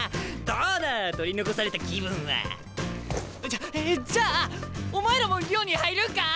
どうだ取り残された気分は？じゃえじゃあお前らも寮に入るんか？